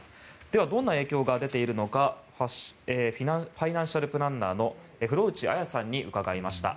では、どんな影響が出ているのかファイナンシャルプランナーの風呂内亜矢さんに伺いました。